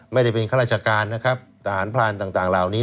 ไม่ได้เป็นข้าราชการนะครับทหารพรานต่างเหล่านี้